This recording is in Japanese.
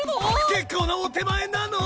結構なお点前なの？